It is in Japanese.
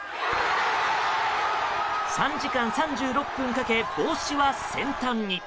３時間３６分かけ帽子は先端に。